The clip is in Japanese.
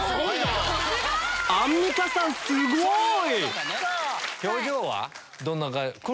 アンミカさんすごい！